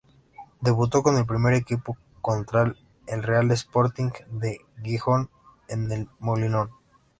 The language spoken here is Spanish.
Debutó con el primer equipo contra el Real Sporting de Gijón en El Molinón.